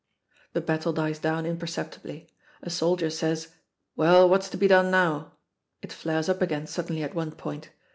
The battle dies down imperceptibly. A soldier says, "Well, what's to be done now?" it flares up again suddenly at one point.